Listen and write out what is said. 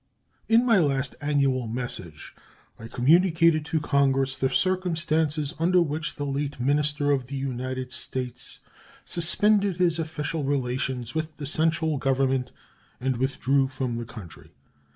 In my last annual message I communicated to Congress the circumstances under which the late minister of the United States suspended his official relations with the central Government and withdrew from the country.